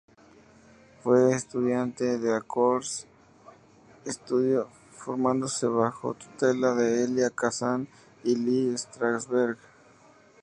Fue estudiante del Actors Studio, formándose bajo tutela de Elia Kazan y Lee Strasberg.